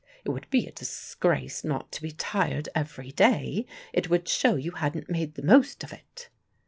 "It would be a disgrace not to be tired every day. It would show you hadn't made the most of it."